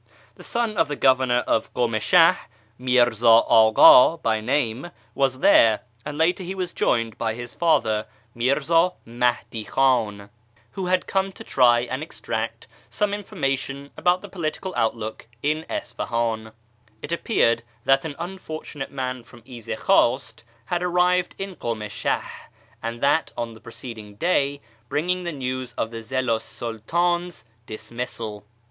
The son of the Governor of Kumishah, Mi'rza Aka by name, was there, and later he was joined by his father, ]\Iirza L , FROM ISFAHAN TO SHIrAz 223 Mahdi Khan, who had come to try and extract some in formation about the political outlook in Isfahan. It appeared that an unfortunate man from Izidkhwast had arrived in Kumishah on that or the preceding day, bringing the news of the Zillu 's Sidtdns dismissal.